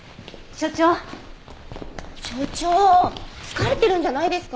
所長疲れてるんじゃないですか？